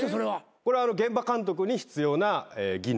これは現場監督に必要な技能。